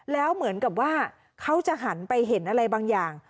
แล้วเหมือนกับว่าเขาจะหันไปเห็นอะไรบางอย่าง